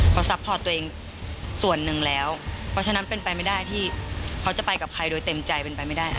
เขาซัพพอร์ตตัวเองส่วนหนึ่งแล้วเพราะฉะนั้นเป็นไปไม่ได้ที่เขาจะไปกับใครโดยเต็มใจเป็นไปไม่ได้